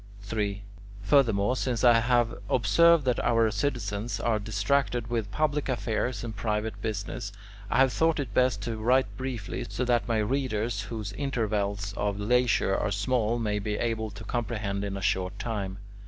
3. Furthermore, since I have observed that our citizens are distracted with public affairs and private business, I have thought it best to write briefly, so that my readers, whose intervals of leisure are small, may be able to comprehend in a short time.